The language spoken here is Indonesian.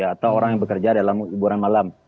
atau orang yang bekerja dalam hiburan malam